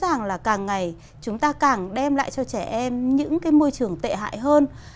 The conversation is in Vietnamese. rõ ràng là càng ngày chúng ta càng đem lại cho trẻ em những cái môi trường tệ hại hơn